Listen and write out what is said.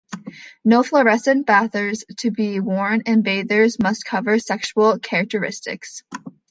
No fluorescent bathers to be worn and bathers must cover sexual characteristics.